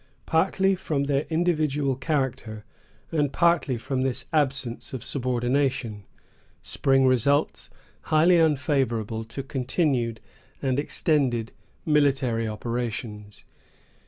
Partly from their individual character, and partly from this absence of subordination, spring results highly unfavorable to continued and extended military operations.